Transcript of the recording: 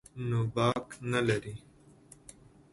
نو باک نه لري.